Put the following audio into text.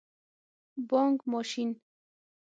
🏧 بانګ ماشین